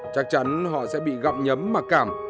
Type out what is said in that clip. chắc chắn họ sẽ bị gặm nhấm mặc cảm